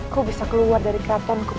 kau bisa keluar dari keratonku prabu giripati